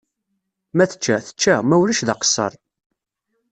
Ma tečča, tečča, ma ulac d aqeṣṣer.